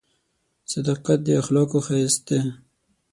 • صداقت د اخلاقو ښایست دی.